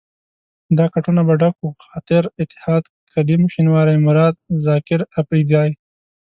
دا کټونه به ډک وو، خاطر، اتحاد، کلیم شینواری، مراد، زاکر اپرېدی.